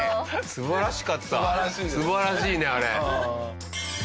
素晴らしいねあれ。